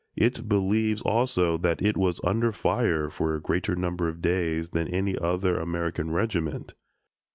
It believes also that it was under fire for a greater number of days than any other American regiment.